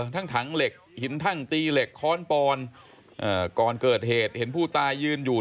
ทั้งถังเหล็กหินทั่งตีเหล็กค้อนปอนก่อนเกิดเหตุเห็นผู้ตายยืนอยู่